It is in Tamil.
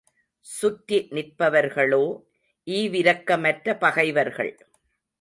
சுற்றி நிற்பவர்களோ ஈவிரக்கமற்ற பகைவர்கள்.